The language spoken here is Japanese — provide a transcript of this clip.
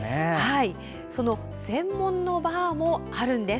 専門のバーもあるんです。